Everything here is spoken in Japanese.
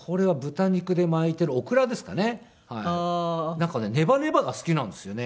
なんかねネバネバが好きなんですよね